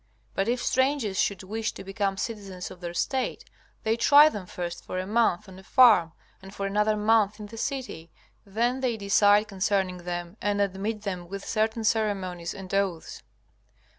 But if strangers should wish to become citizens of their State, they try them first for a month on a farm, and for another month in the city, then they decide concerning them, and admit them with certain ceremonies and oaths.